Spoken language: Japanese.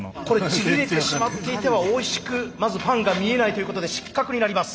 ちぎれてしまっていてはおいしくまずパンが見えないということで失格になります。